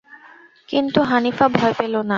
কিন্তু হানিফা ভয় পেল না।